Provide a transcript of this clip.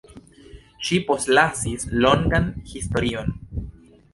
Ŝi postlasis longan historion.